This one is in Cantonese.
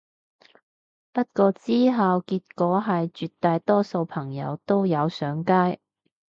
不過之後結果係絕大多數朋友都有上街